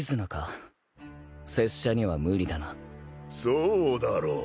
そうだろう。